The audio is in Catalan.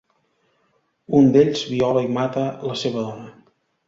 Un d'ells viola i mata la seva dona.